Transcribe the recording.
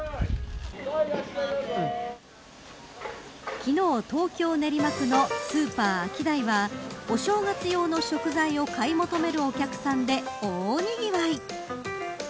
昨日、東京、練馬区のスーパーアキダイはお正月用の食材を買い求めるお客さんで大にぎわい。